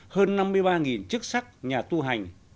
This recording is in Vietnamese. hơn năm mươi ba chức sách nhà tu hành